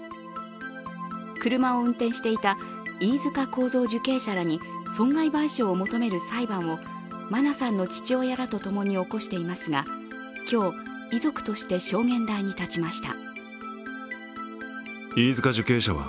車を運転していた飯塚幸三受刑者らに損害賠償を求める裁判を真菜さんの父親らとともに起こしていますが今日遺族として証言台に立ちました。